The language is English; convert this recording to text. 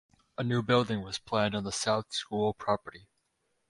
A new building was planned on the South School property.